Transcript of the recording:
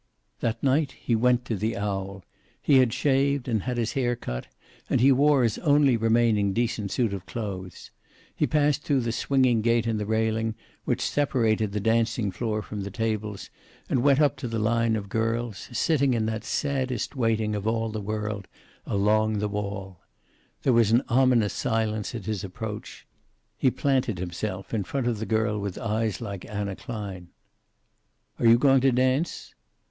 That night he went to the Owl. He had shaved and had his hair cut and he wore his only remaining decent suit of clothes. He passed through the swinging gate in the railing which separated the dancing floor from the tables and went up to the line of girls, sitting in that saddest waiting of all the world, along the wall. There was an ominous silence at his approach. He planted himself in front of the girl with eyes like Anna Klein. "Are you going to dance?"